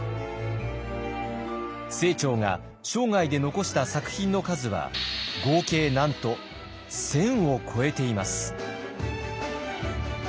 清張が生涯で残した作品の数は合計なんと１，０００を超えています。